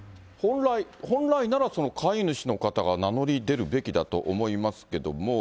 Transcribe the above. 本来なら、飼い主の方が名乗り出るべきだと思いますけども。